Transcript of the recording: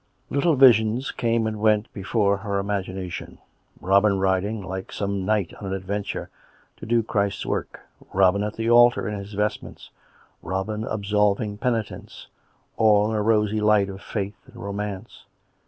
Little visions came and went before her imagination. Robin riding, like some knight on an adventure^' to do Christ's work; Robin at the altar, in his vestments; Robin absolving penitents — all in a rosy light of faith and romance.